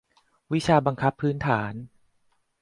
วิชาบังคับพื้นฐาน